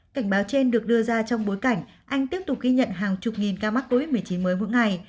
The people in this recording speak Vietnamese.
cảnh báo trên được đưa ra trong bối cảnh anh tiếp tục ghi nhận hàng chục nghìn ca mắc covid một mươi chín mới mỗi ngày